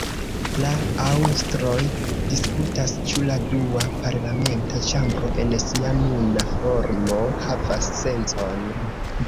La aŭstroj diskutas, ĉu la dua parlamenta ĉambro en sia nuna formo havas sencon.